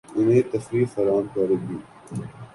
انھیں تفریح فراہم کریں گی